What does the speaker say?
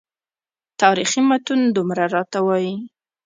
تاریخي متون دومره راته وایي.